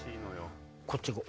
こっち行こう！